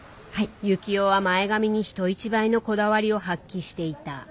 幸男は前髪に人一倍のこだわりを発揮していた。